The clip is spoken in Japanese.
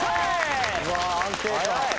うわあ安定感。